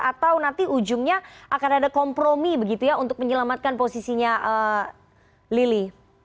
atau nanti ujungnya akan ada kompromi begitu ya untuk menyelamatkan posisinya lili